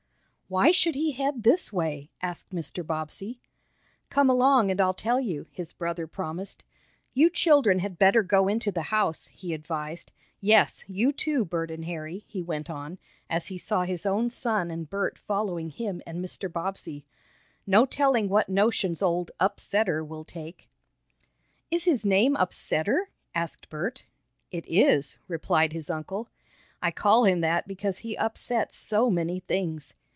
"Why should he head this way?" asked Mr. Bobbsey. "Come along and I'll tell you," his brother promised. "You children had better go into the house," he advised. "Yes, you too, Bert and Harry," he went on, as he saw his own son and Bert following him and Mr. Bobbsey. "No telling what notions old Upsetter will take." "Is his name Upsetter?" asked Bert. "It is," replied his uncle. "I call him that because he upsets so many things.